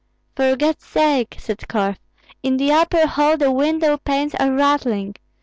"For God's sake!" said Korf, "in the upper hall the window panes are rattling.